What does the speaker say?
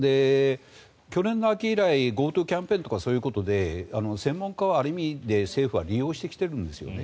去年の秋以来ＧｏＴｏキャンペーンとかそういうことで専門家はある意味で、政府は利用してきているんですよね。